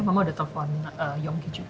mama udah telpon yonggi juga